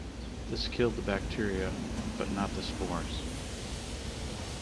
This killed the bacteria, but not the spores.